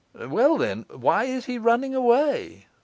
'Well, then, why is he running away?